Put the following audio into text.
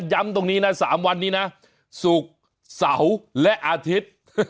ย้ำตรงนี้นะ๓วันนี้นะศุกร์เสาร์และอาทิตย์